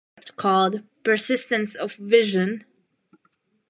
This explained the concept called 'persistence of vision'.